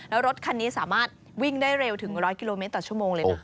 แล้วรถคันนี้สามารถวิ่งได้เร็วถึง๑๐๐กิโลเมตรต่อชั่วโมงเลยนะ